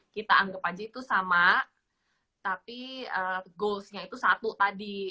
kita anggap aja itu sama tapi goalsnya itu satu tadi